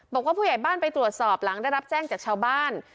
บอกว่าผู้ใหญ่บ้านไปตรวจสอบหลังได้รับแจ้งจากชาวบ้าน